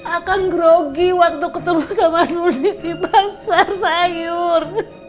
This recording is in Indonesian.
akang grogi waktu ketemu sama nunik di pasar sayur